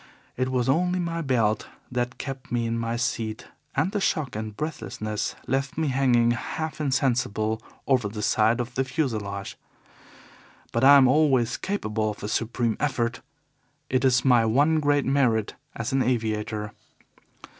It was only my belt that kept me in my seat, and the shock and breathlessness left me hanging half insensible over the side of the fuselage. But I am always capable of a supreme effort it is my one great merit as an aviator.